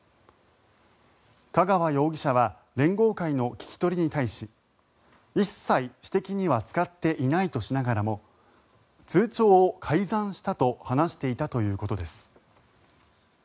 香川容疑者は連合会の聞き取りに対し一切、私的には使っていないとしながらも通帳を改ざんしたと話していたということです。